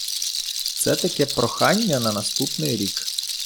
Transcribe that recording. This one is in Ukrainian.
Це таке прохання на наступний рік.